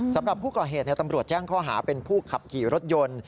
สำหรับผู้ก่อเหตุตำรวจแจ้งข้อหาเป็นผู้ขับขี่รถยนต์